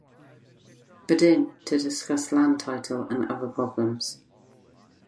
Badin to discuss land title and other problems.